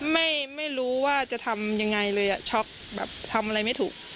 ไม่รู้ว่าจะทำยังไงเลยอ่ะช็อกแบบทำอะไรไม่ถูก